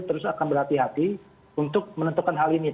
itu tergantung daripada diskusi yang ada nanti pak